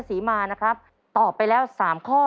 ตอบไปแล้วสามข้อ